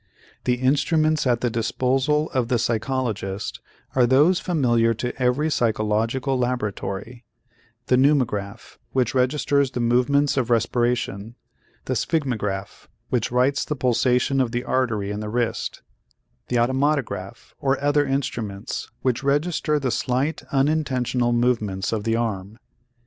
The instruments at the disposal of the psychologist are those familiar to every psychological laboratory: the pneumograph, which registers the movements of respiration; the sphygmograph, which writes the pulsation of the artery in the wrist; the automatograph, or other instruments, which register the slight unintentional movements of the arm.